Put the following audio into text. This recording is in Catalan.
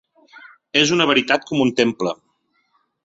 És una veritat com un temple.